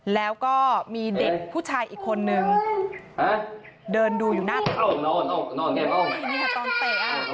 แล้วก็มีเด็กผู้ชายอีกคนนึงเดินดูอยู่หน้าห้องนอนนี่ค่ะตอนเตะอ่ะ